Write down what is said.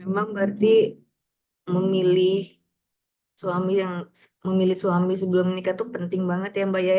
memang berarti memilih suami sebelum menikah itu penting banget ya mbak yaya